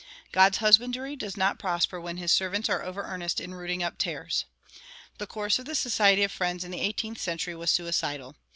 God's husbandry does not prosper when his servants are over earnest in rooting up tares. The course of the Society of Friends in the eighteenth century was suicidal.